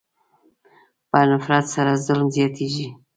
په نفرت سره ظلم زیاتېږي.